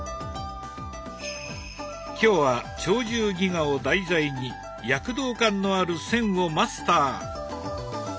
今日は「鳥獣戯画」を題材に躍動感のある線をマスター。